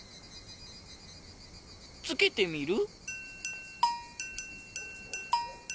つけてみる？